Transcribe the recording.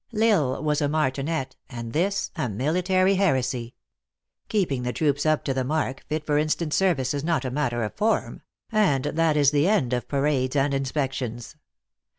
L Isle was a martinet, and this a military heresy. " Keeping the troops up to the mark, fit for instant service, is not a matter of form ; and that is the end of parades and inspections.